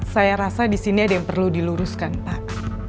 saya rasa disini ada yang perlu diluruskan pak